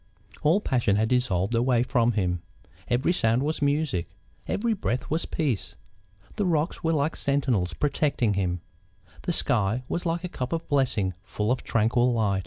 All passion had dissolved away from him; every sound was music; every breath was peace; the rocks were like sentinels protecting him; the sky was like a cup of blessing full of tranquil light.